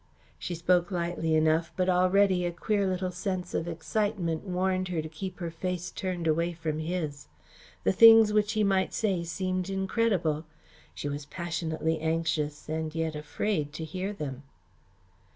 She spoke lightly enough but already a queer little sense of excitement warned her to keep her face turned away from his. The things which he might say seemed incredible. She was passionately anxious and yet afraid to hear them.